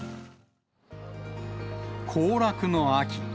行楽の秋。